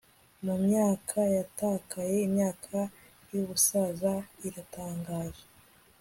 Mumyaka yatakaye imyaka yubusaza iratangaje